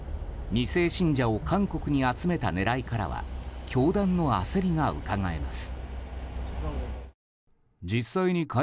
２世信者を韓国に集めた狙いからは教団の焦りがうかがえます。